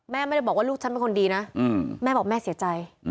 แม่ไม่ได้บอกว่าลูกฉันเป็นคนดีนะแม่บอกแม่เสียใจ